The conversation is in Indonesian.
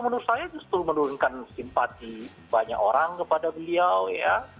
menurut saya justru menurunkan simpati banyak orang kepada beliau ya